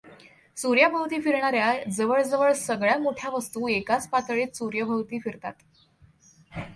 सूर्याभोवती फिरणार् या जवळजवळ सगळ्या मोठ्या वस्तू एकाच पातळीत सूर्याभोवती फिरतात.